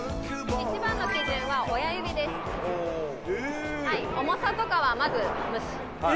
一番の基準は親指です、重さとかは無視。